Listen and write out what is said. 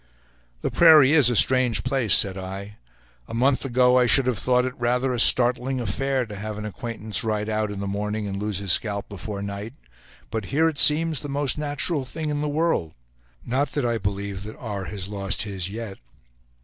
"The prairie is a strange place," said I. "A month ago I should have thought it rather a startling affair to have an acquaintance ride out in the morning and lose his scalp before night, but here it seems the most natural thing in the world; not that I believe that R. has lost his yet."